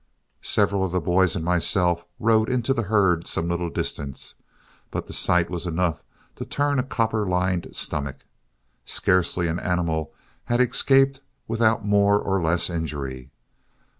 Several of the boys and myself rode into the herd some little distance, but the sight was enough to turn a copper lined stomach. Scarcely an animal had escaped without more or less injury.